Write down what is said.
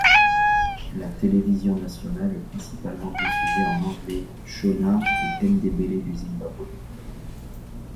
La télévision nationale est principalement diffusée en anglais, shona et ndébélé du Zimbabwe.